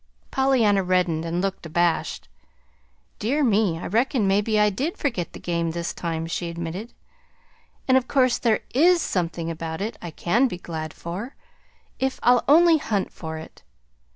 Pollyanna reddened and looked abashed. "Dear me, I reckon maybe I did forget the game this time," she admitted. "And of course there IS something about it I can be glad for, if I'll only hunt for it.